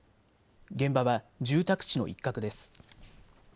現場は住宅地の一角です。